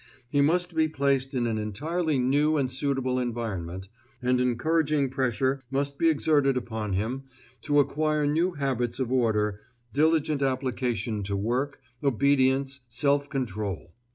He must be placed in an entirely new and suitable environment, and encouraging pressure must be exerted upon him to acquire new habits of order, diligent application to work, obedience, self control.